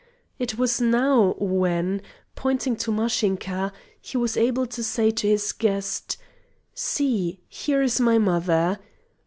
It was now when, pointing to Mashinka, he was able to say to his guest: "See, here is my mother."